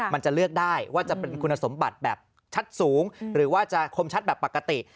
มันจะเลือกได้ว่าจะเป็นคุณสมบัติแบบชัดสูงหรือว่าจะคมชัดแบบปกติ